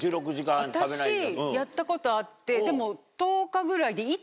私やったことあってでも。